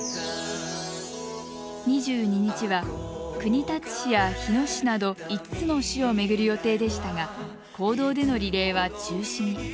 ２２日は国立市や日野市など５つの市を巡る予定でしたが公道でのリレーは中止に。